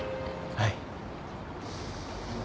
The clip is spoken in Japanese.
はい。